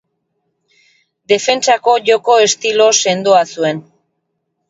Defentsako joko estilo sendoa zuen.